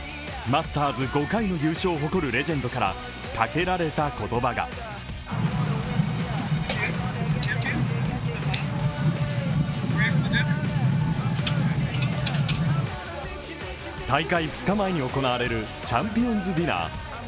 マスターズ５回の優勝を誇るレジェンドから、かけられた言葉が大会２日前に行われるチャンピオンズディナー。